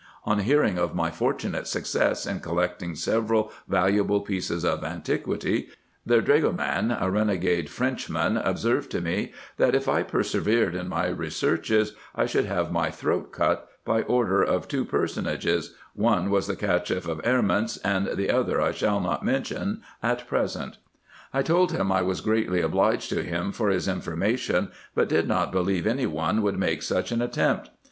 On hearing of my fortunate success in collecting several valuable pieces of antiquity, their Dragoman, a renegado French man, observed to me, that, if I persevered in my researches, I should have my throat cut, by order of two personages ; one was the Cacheff of Erments, the other I shall not mention at present. 1 IN EGYPT, NUBIA, &c. Ill told him I was greatly obliged to him for his information, but did not believe any one would make such an attempt.